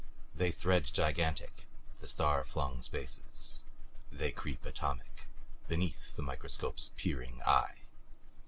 They thread gigantic, the star flung spaces; they creep, atomic, beneath the microscope's peering eye.